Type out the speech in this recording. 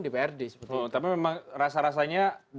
di prd tapi memang rasa rasanya